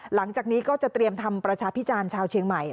หลังจากนี้ก็จะเตรียมทำประชาพิจารณ์ชาวเชียงใหม่